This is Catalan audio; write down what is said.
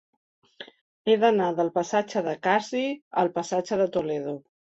He d'anar del passatge de Carsi al passatge de Toledo.